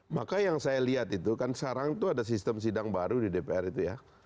maka yang saya lihat itu kan sekarang itu ada sistem sidang baru di dpr itu ya